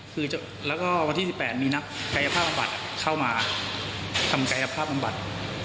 คือแล้วก็วันที่สิบแปดมีนักกายภาพอัมบัติเข้ามาทำกายภาพอัมบัติ